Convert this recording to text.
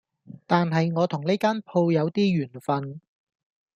但係我同呢間鋪有啲緣份